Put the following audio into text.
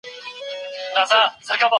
که څوک په هغه شپه کي غسل نسي کولای،.